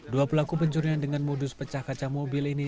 dua pelaku pencurian dengan modus pecah kaca mobil ini